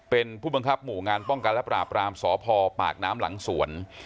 เป็นผู้บังคับหมู่งานป้องกันและปราบรามสพปากน้ำหลังสวน